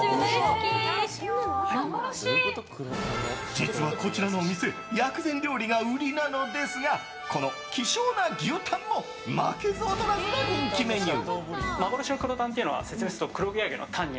実はこちらのお店薬膳料理が売りなのですがこの希少な牛タンも負けず劣らずの人気メニュー。